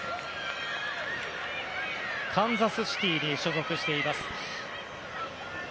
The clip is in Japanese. カンザスシティに所属しています。